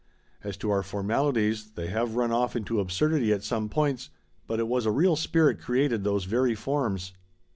As to our formalities they have run off into absurdity at some points, but it was a real spirit created those very forms."